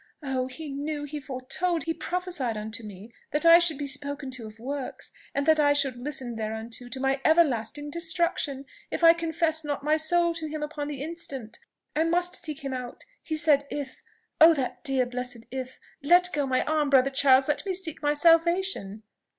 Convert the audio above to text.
Oh! he knew, he foretold, he prophesied unto me that I should be spoken to of works, and that I should listen thereunto, to my everlasting destruction, if I confessed not my soul to him upon the instant. I must seek him out: he said IF, oh, that dear blessed IF! Let go my arm, brother Charles! let me seek my salvation!"